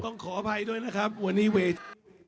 ขออภัยด้วยนะครับวันนี้เวท